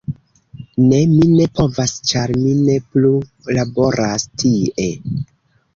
Ne. Mi ne povas ĉar mi ne plu laboras tie.